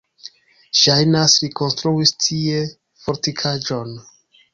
Ŝajnas, li konstruis tie fortikaĵon.